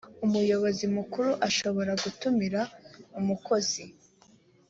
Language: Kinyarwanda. umuyobozi mukuru ashobora gutumira umukozi